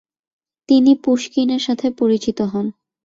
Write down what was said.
তিনি পুশকিনের সাথে পরিচিত হন।